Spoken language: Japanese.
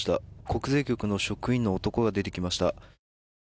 国税局の職員の男が出てきました。